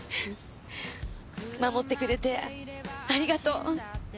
守ってくれてありがとう。